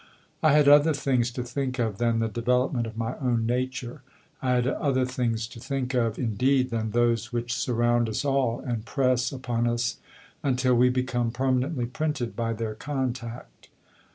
I had other things to think of than the development of my own nature. I had other things to think of, indeed, than those which surround us all, and press upon us until we become permanently printed by their contact.